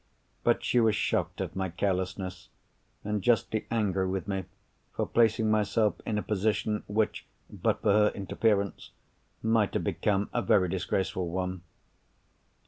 But she was shocked at my carelessness, and justly angry with me for placing myself in a position, which, but for her interference, might have become a very disgraceful one.